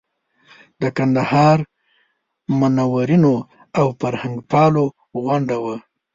د کندهار منورینو او فرهنګپالو غونډه وه.